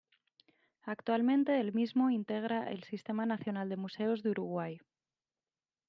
Actualmente el mismo integra el Sistema Nacional de Museos de Uruguay.